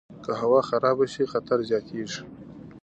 که هوا خرابه شي، خطر زیاتیږي.